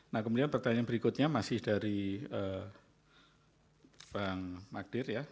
nah kemudian pertanyaan berikutnya masih dari bang magdir ya